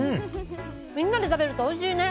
みんなで食べるとおいしいね！